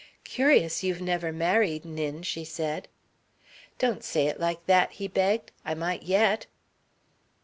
"Curious you've never married, Nin," she said. "Don't say it like that," he begged. "I might yet."